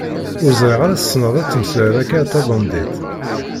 Ur ẓriɣ ara tesneḍ ad temmeslayeḍ akka a tabandit.